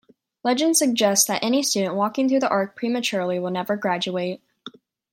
Legend suggests that any student walking through the arch prematurely will never graduate.